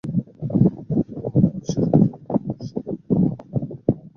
কিন্তু আমায় বিশ্বাস করো, বুক অব ভিশান্তিই একমাত্র পথ।